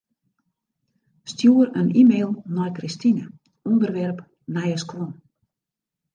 Stjoer in e-mail nei Kristine, ûnderwerp nije skuon.